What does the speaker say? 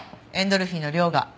エンドルフィンの量が。